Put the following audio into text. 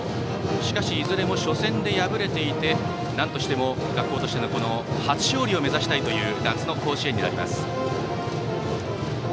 しかしいずれも初戦で敗れていてなんとしても、学校として初勝利を目指したいという夏の甲子園になります。